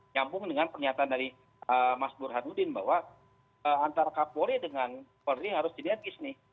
nyambung dengan pernyataan dari mas burhanuddin bahwa antara polri dengan kapolri harus jenetis nih